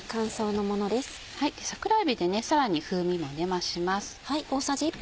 桜えびでさらに風味も増します。